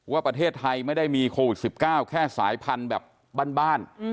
ว่าประเทศไทยไม่ได้มีโควิด๑๙แค่สายพันธุ์แบบบ้าน